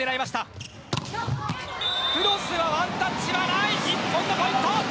クロスはワンタッチはない日本のポイント。